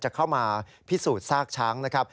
จะเข้ามาพิสูจน์ซากช้างนะครับ